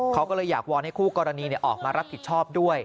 เขาก็เลยอยากวอนให้คู่กรณีออกมารับผิดชอบด้วย